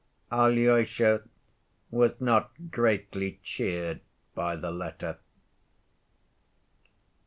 Alyosha was not greatly cheered by the letter.